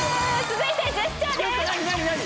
続いてジェスチャーです。